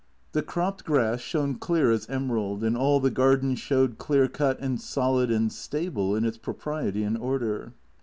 The cropped grass shone clear as emerald, and all the garden showed clear cut and solid and stable in its propriety and order.